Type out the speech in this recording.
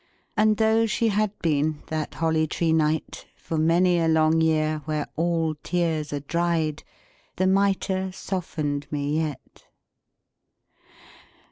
And though she had been, that Holly Tree night, for many a long year where all tears are dried, the Mitre softened me yet.